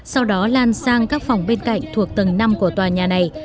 sau đó lan sang các phòng bên cạnh thuộc tầng năm của tòa nhà này